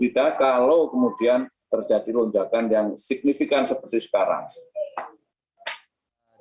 tidak kalau kemudian terjadi lonjakan yang signifikan seperti sekarang